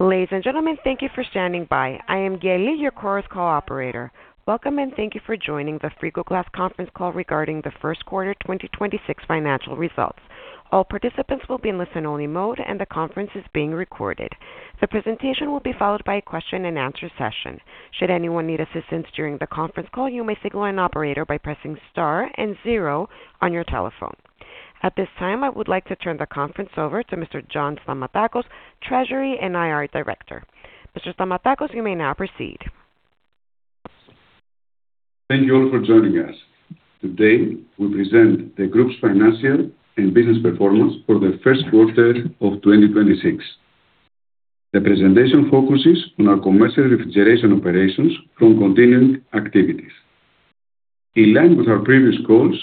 Ladies and gentlemen, thank you for standing by. I am Gail, your Chorus Call operator. Welcome, and thank you for joining the Frigoglass conference call regarding the first quarter 2026 financial results. All participants will be in listen-only mode, and the conference is being recorded. The presentation will be followed by a question-and-answer session. Should anyone need assistance during the conference call, you may signal an operator by pressing star and zero on your telephone. At this time, I would like to turn the conference over to Mr. John Stamatakos, Treasury and IR Director. Mr. Stamatakos, you may now proceed. Thank you all for joining us. Today, we present the group's financial and business performance for the first quarter of 2026. The presentation focuses on our commercial refrigeration operations from continuing activities. In line with our previous calls,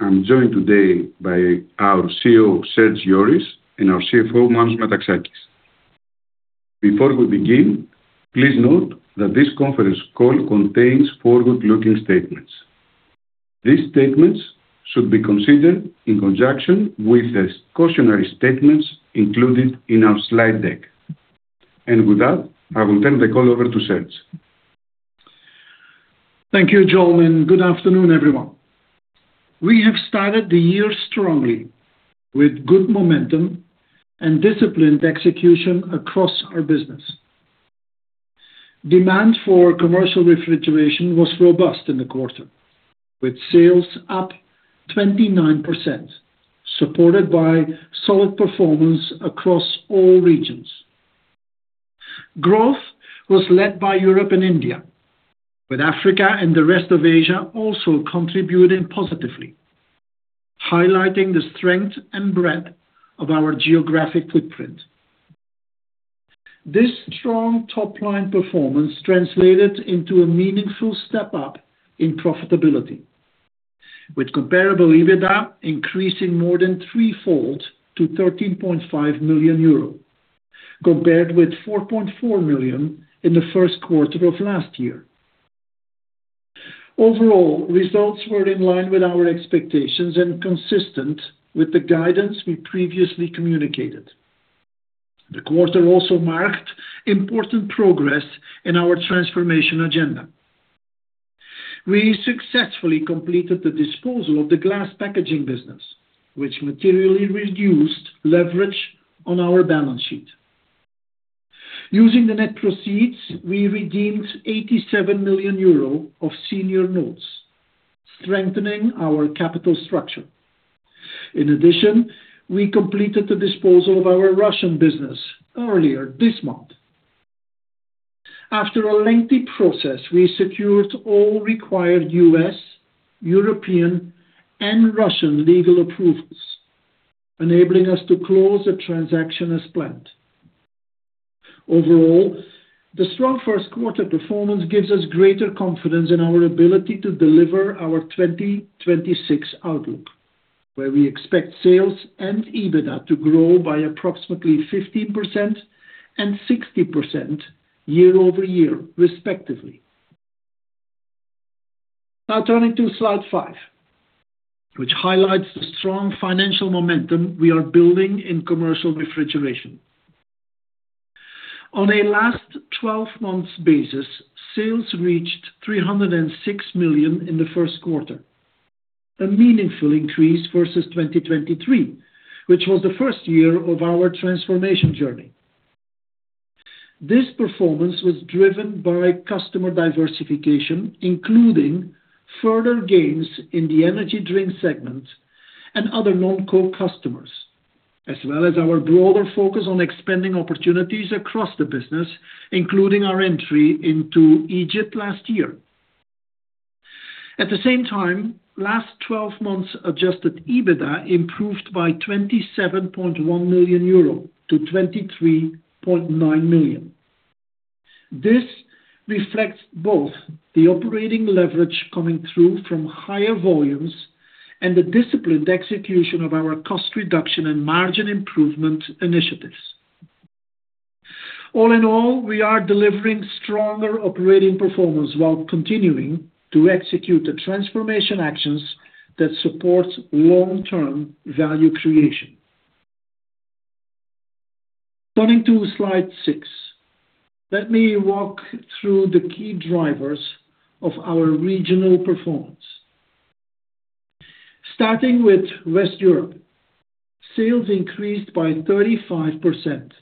I'm joined today by our CEO, Serge Joris, and our CFO, Manos Metaxakis. Before we begin, please note that this conference call contains forward-looking statements. These statements should be considered in conjunction with the cautionary statements included in our slide deck. With that, I will turn the call over to Serge. Thank you, John, and good afternoon, everyone. We have started the year strongly with good momentum and disciplined execution across our business. Demand for commercial refrigeration was robust in the quarter, with sales up 29%, supported by solid performance across all regions. Growth was led by Europe and India, with Africa and the rest of Asia also contributing positively, highlighting the strength and breadth of our geographic footprint. This strong top-line performance translated into a meaningful step-up in profitability, with comparable EBITDA increasing more than threefold to 13.5 million euro, compared with 4.4 million in the first quarter of last year. Overall, results were in line with our expectations and consistent with the guidance we previously communicated. The quarter also marked important progress in our transformation agenda. We successfully completed the disposal of the glass packaging business, which materially reduced leverage on our balance sheet. Using the net proceeds, we redeemed 87 million euro of senior notes, strengthening our capital structure. We completed the disposal of our Russian business earlier this month. After a lengthy process, we secured all required U.S., European, and Russian legal approvals, enabling us to close the transaction as planned. Overall, the strong first quarter performance gives us greater confidence in our ability to deliver our 2026 outlook, where we expect sales and EBITDA to grow by approximately 15% and 60% year-over-year, respectively. Turning to slide five, which highlights the strong financial momentum we are building in commercial refrigeration. On a last 12 months basis, sales reached 306 million in the first quarter, a meaningful increase versus 2023, which was the first year of our transformation journey. This performance was driven by customer diversification, including further gains in the energy drink segment and other non-core customers, as well as our broader focus on expanding opportunities across the business, including our entry into Egypt last year. At the same time, last 12 months adjusted EBITDA improved by 27.1 million euro to 23.9 million. This reflects both the operating leverage coming through from higher volumes and the disciplined execution of our cost reduction and margin improvement initiatives. All in all, we are delivering stronger operating performance while continuing to execute the transformation actions that support long-term value creation. Turning to slide six, let me walk through the key drivers of our regional performance. Starting with West Europe, sales increased by 35%,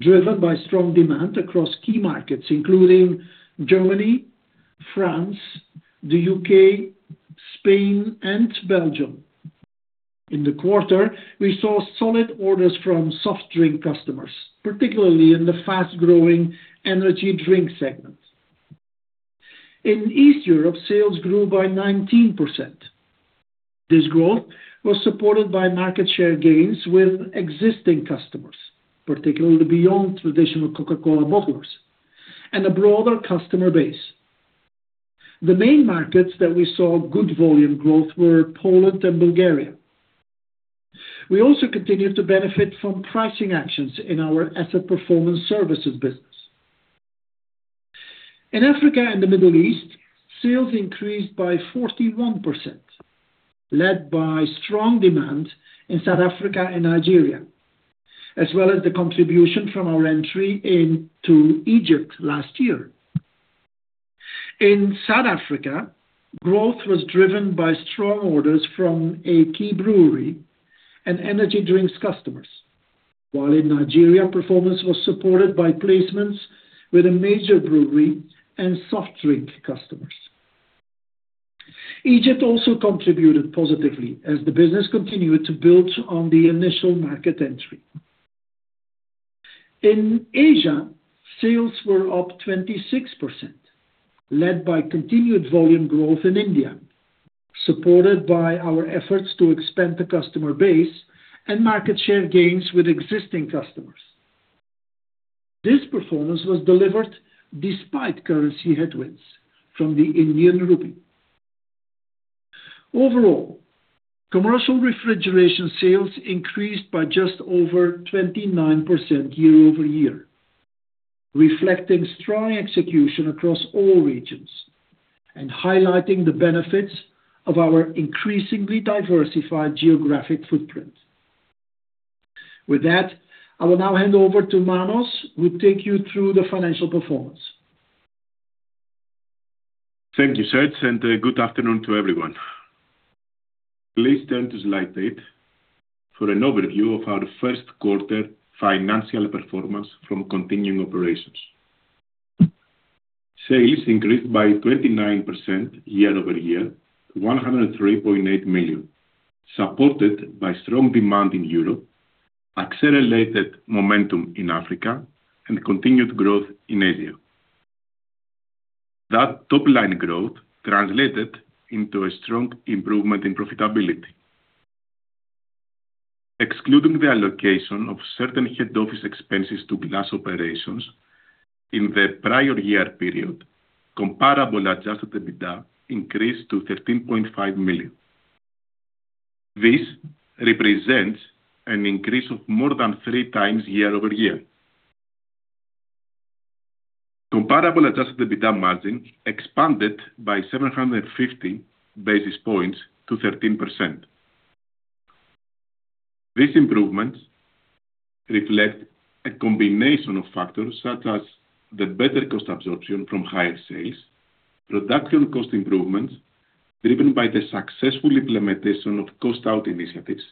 driven by strong demand across key markets including Germany, France, the U.K., Spain, and Belgium. In the quarter, we saw solid orders from soft drink customers, particularly in the fast-growing energy drink segment. In East Europe, sales grew by 19%. This growth was supported by market share gains with existing customers, particularly beyond traditional Coca-Cola bottlers, and a broader customer base. The main markets that we saw good volume growth were Poland and Bulgaria. We also continued to benefit from pricing actions in our Asset Performance Services business. In Africa and the Middle East, sales increased by 41%, led by strong demand in South Africa and Nigeria, as well as the contribution from our entry into Egypt last year. In South Africa, growth was driven by strong orders from a key brewery and energy drinks customers. In Nigeria, performance was supported by placements with a major brewery and soft drink customers. Egypt also contributed positively as the business continued to build on the initial market entry. In Asia, sales were up 26%, led by continued volume growth in India, supported by our efforts to expand the customer base and market share gains with existing customers. This performance was delivered despite currency headwinds from the Indian rupee. Overall, commercial refrigeration sales increased by just over 29% year-over-year, reflecting strong execution across all regions and highlighting the benefits of our increasingly diversified geographic footprint. With that, I will now hand over to Manos who will take you through the financial performance. Thank you, Serge. Good afternoon to everyone. Please turn to slide eight for an overview of our first quarter financial performance from continuing operations. Sales increased by 29% year-over-year to 103.8 million, supported by strong demand in Europe, accelerated momentum in Africa, and continued growth in Asia. That top line growth translated into a strong improvement in profitability. Excluding the allocation of certain head office expenses to glass operations in the prior year period, comparable adjusted EBITDA increased to 13.5 million. This represents an increase of more than three times year-over-year. Comparable adjusted EBITDA margin expanded by 750 basis points to 13%. These improvements reflect a combination of factors such as the better cost absorption from higher sales, production cost improvements driven by the successful implementation of cost out initiatives,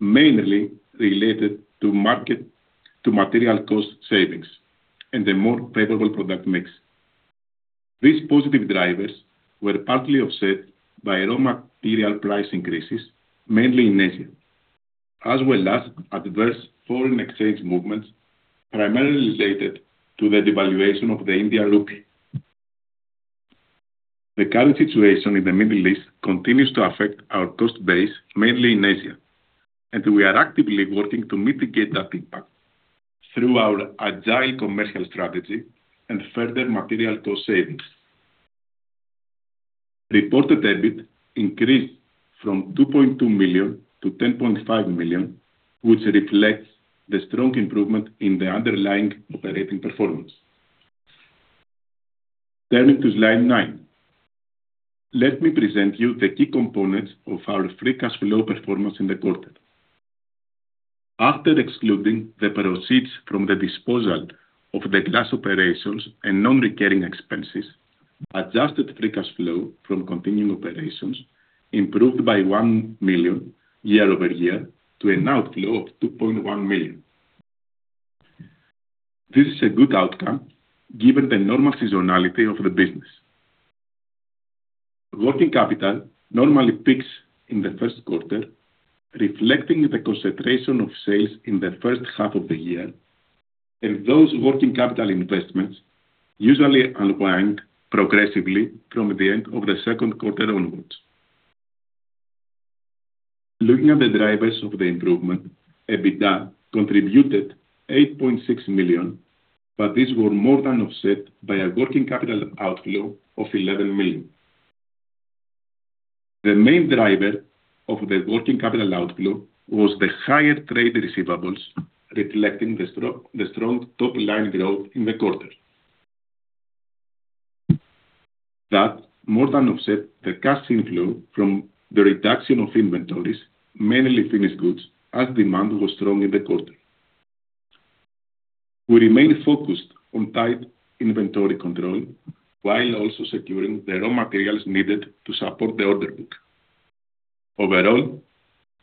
mainly related to material cost savings and a more favorable product mix. These positive drivers were partly offset by raw material price increases, mainly in Asia, as well as adverse foreign exchange movements primarily related to the devaluation of the Indian rupee. The current situation in the Middle East continues to affect our cost base, mainly in Asia, and we are actively working to mitigate that impact through our agile commercial strategy and further material cost savings. Reported EBIT increased from 2.2 million to 10.5 million, which reflects the strong improvement in the underlying operating performance. Turning to slide nine. Let me present you the key components of our free cash flow performance in the quarter. After excluding the proceeds from the disposal of the glass operations and non-recurring expenses, adjusted free cash flow from continuing operations improved by 1 million year-over-year to an outflow of 2.1 million. This is a good outcome given the normal seasonality of the business. Working capital normally peaks in the first quarter, reflecting the concentration of sales in the first half of the year and those working capital investments usually unwinding progressively from the end of the second quarter onwards. Looking at the drivers of the improvement, EBITDA contributed 8.6 million. These were more than offset by a working capital outflow of 11 million. The main driver of the working capital outflow was the higher trade receivables, reflecting the strong top line growth in the quarter. That more than offset the cash inflow from the reduction of inventories, mainly finished goods, as demand was strong in the quarter. We remain focused on tight inventory control while also securing the raw materials needed to support the order book. Overall,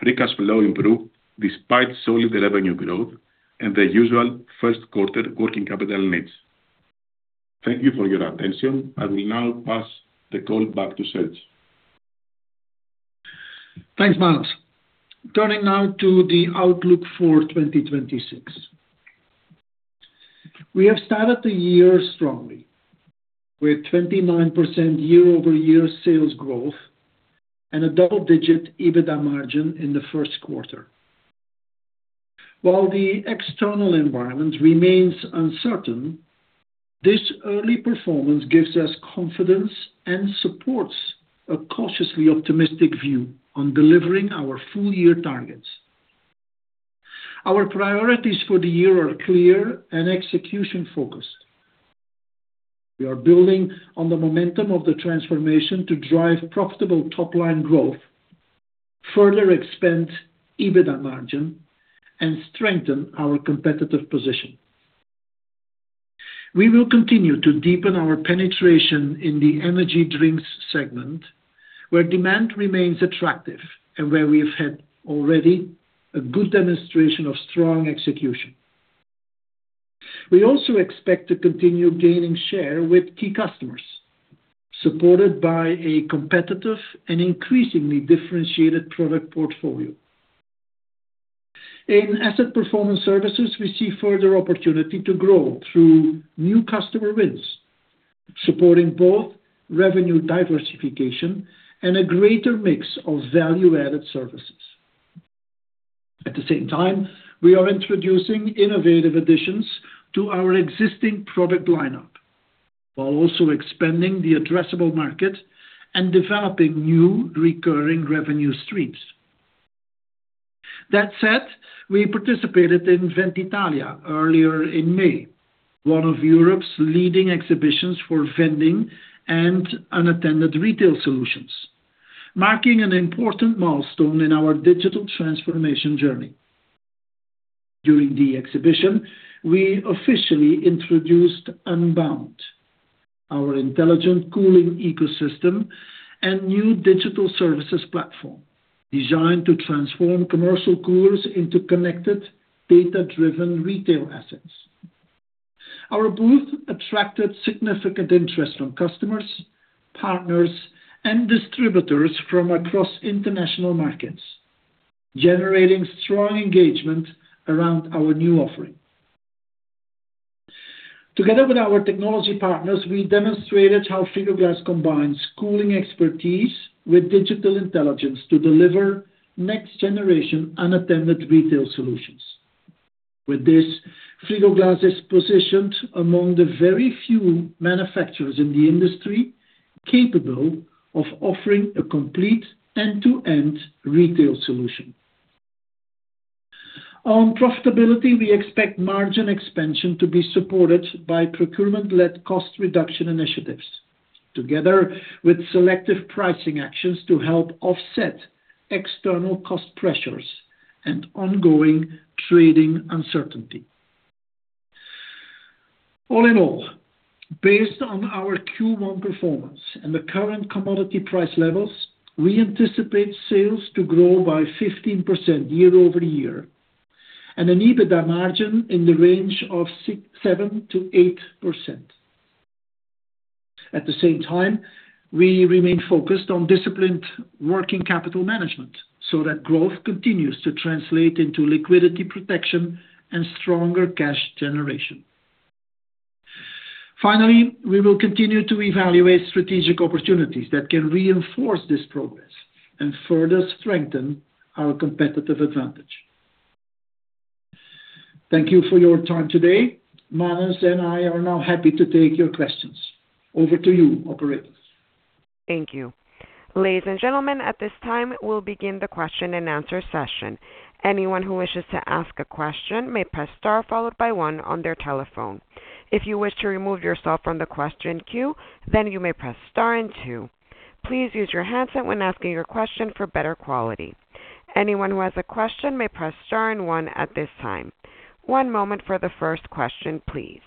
free cash flow improved despite solid revenue growth and the usual first quarter working capital needs. Thank you for your attention. I will now pass the call back to Serge. Thanks, Manos. Turning now to the outlook for 2026. We have started the year strongly with 29% year-over-year sales growth and a double-digit EBITDA margin in the first quarter. While the external environment remains uncertain, this early performance gives us confidence and supports a cautiously optimistic view on delivering our full year targets. Our priorities for the year are clear and execution focused. We are building on the momentum of the transformation to drive profitable top-line growth, further expand EBITDA margin, and strengthen our competitive position. We will continue to deepen our penetration in the energy drinks segment, where demand remains attractive and where we've had already a good demonstration of strong execution. We also expect to continue gaining share with key customers, supported by a competitive and increasingly differentiated product portfolio. In Asset Performance Services, we see further opportunity to grow through new customer wins, supporting both revenue diversification and a greater mix of value-added services. At the same time, we are introducing innovative additions to our existing product lineup, while also expanding the addressable market and developing new recurring revenue streams. That said, we participated in Venditalia earlier in May, one of Europe's leading exhibitions for vending and unattended retail solutions, marking an important milestone in our digital transformation journey. During the exhibition, we officially introduced Unbound, our intelligent cooling ecosystem and new digital services platform designed to transform commercial coolers into connected, data-driven retail assets. Our booth attracted significant interest from customers, partners, and distributors from across international markets, generating strong engagement around our new offering. Together with our technology partners, we demonstrated how Frigoglass combines cooling expertise with digital intelligence to deliver next-generation unattended retail solutions. With this, Frigoglass is positioned among the very few manufacturers in the industry capable of offering a complete end-to-end retail solution. On profitability, we expect margin expansion to be supported by procurement-led cost reduction initiatives, together with selective pricing actions to help offset external cost pressures and ongoing trading uncertainty. All in all, based on our Q1 performance and the current commodity price levels, we anticipate sales to grow by 15% year-over-year, and an EBITDA margin in the range of 7%-8%. At the same time, we remain focused on disciplined working capital management so that growth continues to translate into liquidity protection and stronger cash generation. Finally, we will continue to evaluate strategic opportunities that can reinforce this progress and further strengthen our competitive advantage. Thank you for your time today. Manos and I are now happy to take your questions. Over to you, operator. Thank you. Ladies and gentlemen, at this time, we'll begin the question-and-answer session. Anyone who wishes to ask a question may press star followed by one on their telephone. If you wish to remove yourself from the question queue, then you may press star and two. Please use your headset when asking your question for better quality. Anyone who has a question may press star and one at this time. One moment for the first question, please.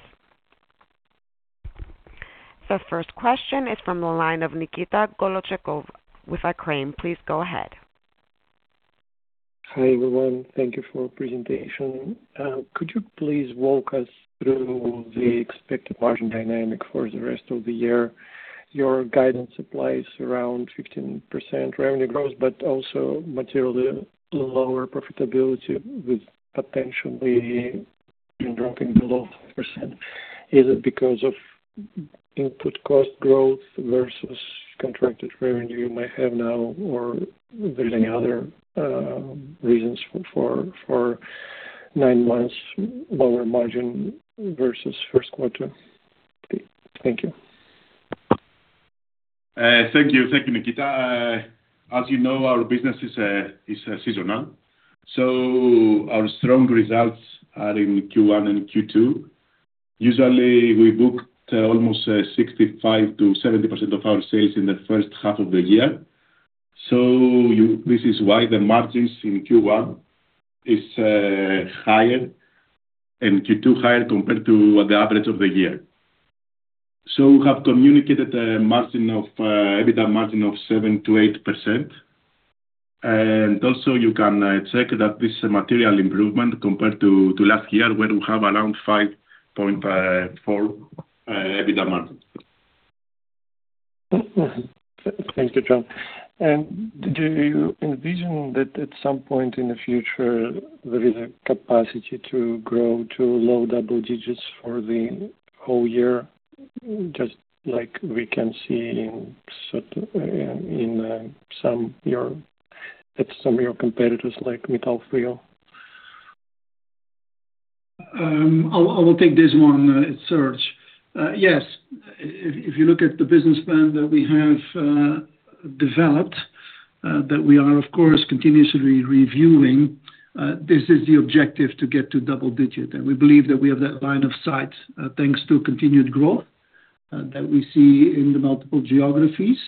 The first question is from the line of [Nikita Kolochekov] with [Akkron]. Please go ahead. Hi, everyone. Thank you for presentation. Could you please walk us through the expected margin dynamic for the rest of the year? Your guidance applies around 15% revenue growth, but also materially lower profitability with potentially even dropping below 5%. Is it because of input cost growth versus contracted revenue you might have now, or there's any other reasons for nine months lower margin versus first quarter? Okay. Thank you. Thank you, Nikita. As you know, our business is seasonal. Our strong results are in Q1 and Q2. Usually, we book almost 65%-70% of our sales in the first half of the year. This is why the margins in Q1 is higher and Q2 higher compared to the average of the year. We have communicated EBITDA margin of 7%-8%. Also you can check that this material improvement compared to last year where we have around 5.4% EBITDA margin. Thank you, John. Do you envision that at some point in the future, there is a capacity to grow to low double digits for the whole year, just like we can see at some of your competitors, like Metalfrio? I will take this one, it's Serge. Yes. If you look at the business plan that we have developed, that we are, of course, continuously reviewing, this is the objective to get to double digit. We believe that we have that line of sight thanks to continued growth that we see in the multiple geographies,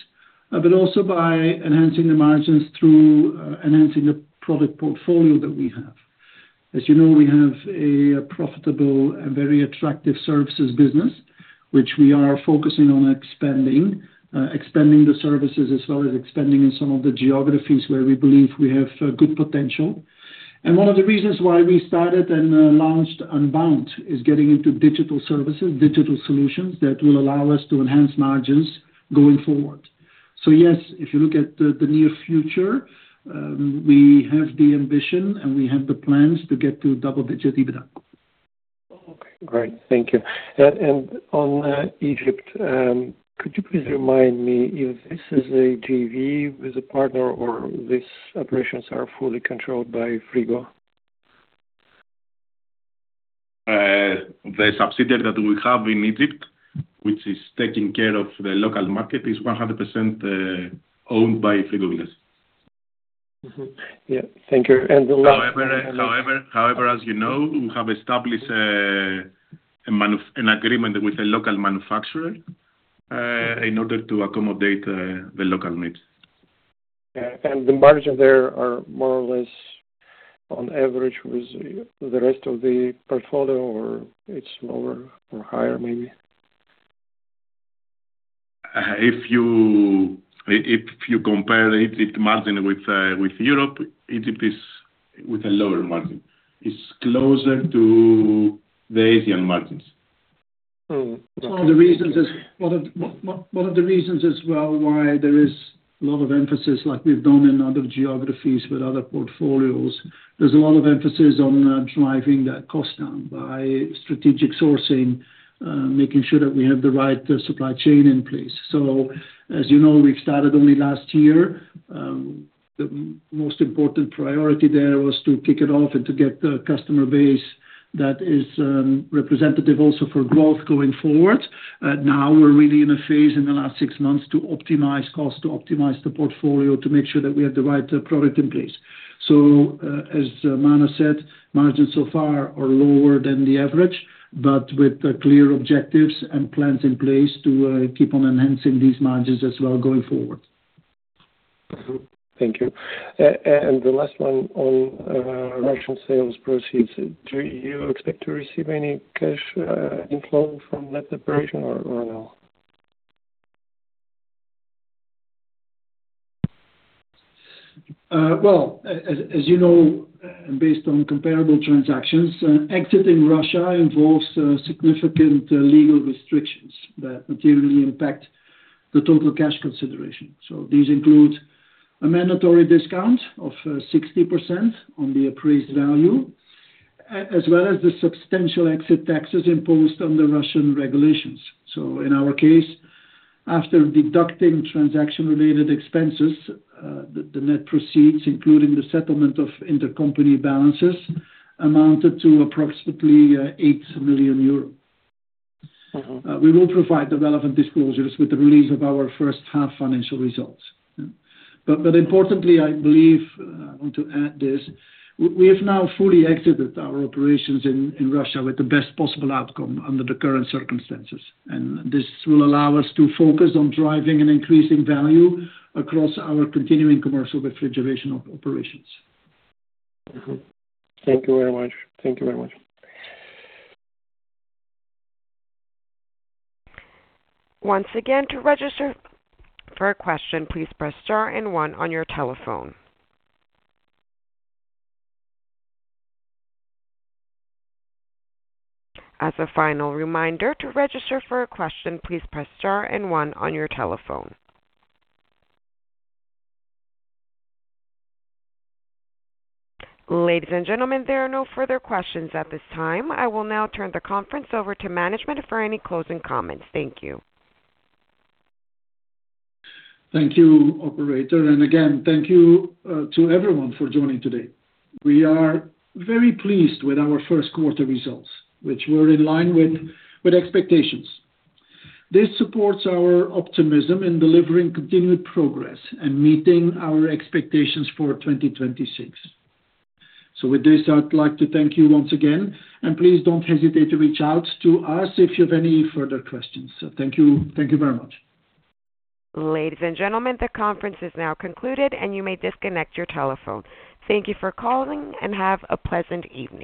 but also by enhancing the margins through enhancing the product portfolio that we have. As you know, we have a profitable and very attractive services business, which we are focusing on expanding the services as well as expanding in some of the geographies where we believe we have good potential. One of the reasons why we started and launched Unbound is getting into digital services, digital solutions that will allow us to enhance margins going forward. Yes, if you look at the near future, we have the ambition, and we have the plans to get to double-digit EBITDA. Okay, great. Thank you. On Egypt, could you please remind me if this is a JV with a partner or these operations are fully controlled by Frigoglass? The subsidiary that we have in Egypt, which is taking care of the local market, is 100% owned by Frigoglass. Yeah. Thank you. The last one. However, as you know, we have established an agreement with a local manufacturer in order to accommodate the local needs. Yeah. The margin there are more or less on average with the rest of the portfolio, or it's lower or higher maybe? If you compare the Egypt margin with Europe, Egypt is with a lower margin. It's closer to the Asian margins. One of the reasons as well why there is a lot of emphasis, like we've done in other geographies with other portfolios, there's a lot of emphasis on driving that cost down by strategic sourcing, making sure that we have the right supply chain in place. As you know, we've started only last year. The most important priority there was to kick it off and to get the customer base that is representative also for growth going forward. Now we're really in a phase in the last six months to optimize cost, to optimize the portfolio, to make sure that we have the right product in place. As Manos said, margins so far are lower than the average, but with clear objectives and plans in place to keep on enhancing these margins as well going forward. Thank you. The last one on Russian sales proceeds. Do you expect to receive any cash inflow from that operation or no? Well, as you know, based on comparable transactions, exit in Russia involves significant legal restrictions that materially impact the total cash consideration. These include a mandatory discount of 60% on the appraised value, as well as the substantial exit taxes imposed under Russian regulations. In our case, after deducting transaction-related expenses, the net proceeds, including the settlement of intercompany balances, amounted to approximately 8 million euros. We will provide development disclosures with the release of our first half financial results. Importantly, I believe, I want to add this, we have now fully exited our operations in Russia with the best possible outcome under the current circumstances. This will allow us to focus on driving and increasing value across our continuing commercial refrigeration operations. Mm-hmm. Thank you very much. Once again to register for a question please press star and one on your telephone. As a final reminder to register for a question please press star and one on your telephone. Ladies and gentlemen, there are no further questions at this time. I will now turn the conference over to management for any closing comments. Thank you. Thank you, operator. Again, thank you to everyone for joining today. We are very pleased with our first quarter results, which were in line with expectations. This supports our optimism in delivering continued progress and meeting our expectations for 2026. With this, I'd like to thank you once again, and please don't hesitate to reach out to us if you have any further questions. Thank you very much. Ladies and gentlemen, the conference is now concluded, and you may disconnect your telephone. Thank you for calling, and have a pleasant evening.